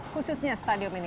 khusus di mana